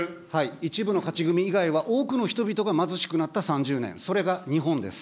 一部の勝ち組以外は、多くの人々が貧しくなった３０年、それが日本です。